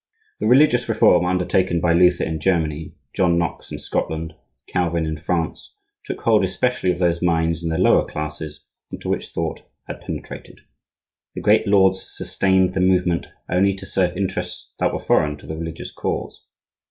The religious reform undertaken by Luther in Germany, John Knox in Scotland, Calvin in France, took hold especially of those minds in the lower classes into which thought had penetrated. The great lords sustained the movement only to serve interests that were foreign to the religious cause.